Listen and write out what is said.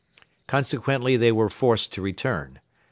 Consequently they were forced to return.